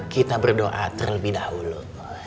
kita berdoa terlebih dahulu